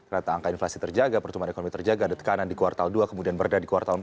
rata angka inflasi terjaga pertumbuhan ekonomi terjaga ada tekanan di kuartal dua kemudian meredah di kuartal empat